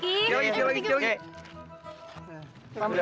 tante tangan dong